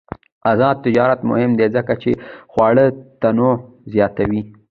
آزاد تجارت مهم دی ځکه چې خواړه تنوع زیاتوي.